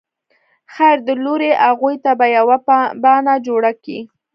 خير دی لورې اغوئ ته به يوه بانه جوړه کې.